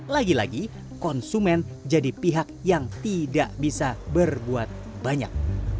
lagi lagi konsumen jadi pihak yang tidak bisa berbuat banyak